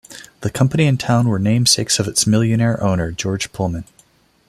The company and town were namesakes of its millionaire owner, George Pullman.